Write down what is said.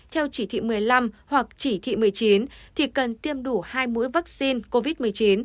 theo chỉ thị một mươi năm hoặc chỉ thị một mươi chín thì cần tiêm đủ hai mũi vaccine